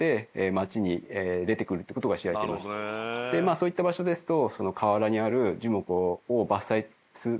そういった場所ですと。